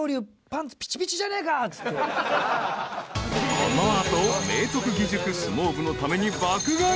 ［この後明徳義塾相撲部のために爆買い］